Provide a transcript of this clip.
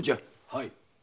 はい。